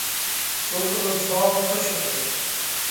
سوڪرو جوم کُش هتو۔